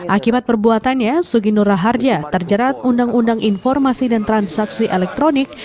akibat perbuatannya suginur raharja terjerat undang undang informasi dan transaksi elektronik